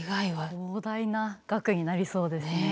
膨大な額になりそうですね。